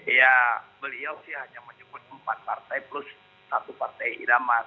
ya beliau sih hanya menyebut empat partai plus satu partai idaman